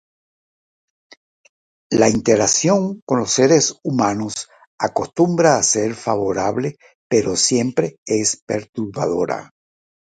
La interacción con los seres humanos acostumbra a ser favorable, pero siempre es perturbadora.